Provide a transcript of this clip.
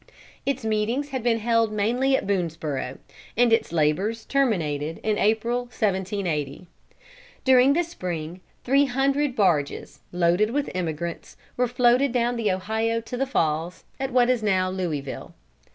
Its meetings had been held mainly at Boonesborough, and its labors terminated in April, 1780. During the spring three hundred barges, loaded with emigrants, were floated down the Ohio to the Falls, at what is now Louisville.